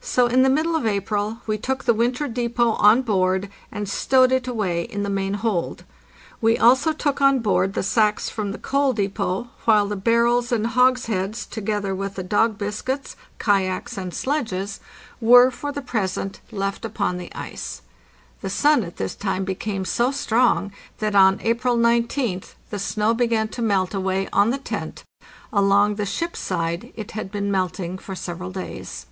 So in the middle of April we took the winter depot on board and stowed it away in the main hold. We also took on board the sacks from the coal depot, while the barrels and hogsheads, together with the dog biscuits, kayaks, and sledges, LARS PETTERSEN ON SNOW SHOES JANUARY 1 TO MAY 17, 1896 O81 were for the present left upon the ice. The sun at this time became so strong that on April 19th the snow began to melt away on the tent; along the ship's side it had been melting for several days.